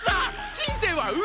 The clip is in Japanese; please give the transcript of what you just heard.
人生は運